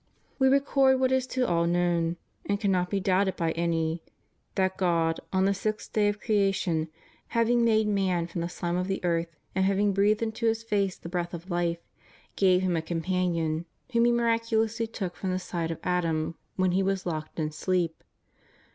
We record what is to all known, and cannot be doubted by any, that God, on the sixth day of creation, having made man from the shme of the earth, and having breathed into his face the breath of life, gave him a companion, whom He miracu lously took from the side of Adam when he was locked in sleep.